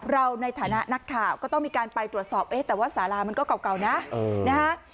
เราในฐานะนักข่าวก็ต้องมีการไปตรวจสอบเอ๊ะแต่ว่าสารามันก็เก่านะนะฮะ